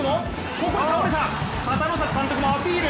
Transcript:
ここで倒れた、片野坂監督もアピール。